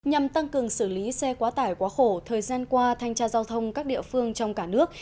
nhằm tăng cường xử lý xe quá tải quá khổ thời gian qua thanh tra giao thông các địa phương trong cả nước